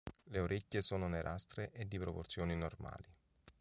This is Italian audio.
Le orecchie sono nerastre e di proporzioni normali.